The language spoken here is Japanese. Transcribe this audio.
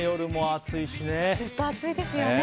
暑いですね。